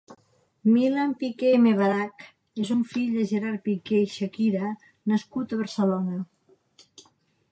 Milan Piqué Mebarak és un el fill de Gerard Piqué i Shakira nascut a Barcelona.